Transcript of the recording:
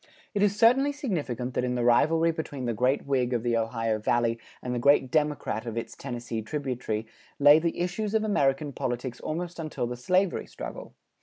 It is certainly significant that in the rivalry between the great Whig of the Ohio Valley and the great Democrat of its Tennessee tributary lay the issues of American politics almost until the slavery struggle.